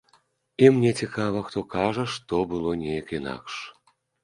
І мне цікава, хто кажа, што было неяк інакш?